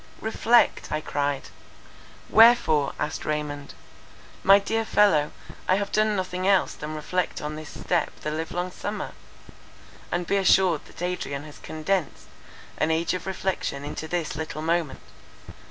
"Reflect!" I cried. "Wherefore?" asked Raymond—"My dear fellow, I have done nothing else than reflect on this step the live long summer; and be assured that Adrian has condensed an age of reflection into this little moment.